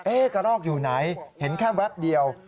กระรอกอยู่ไหนเห็นแค่แวบเดียว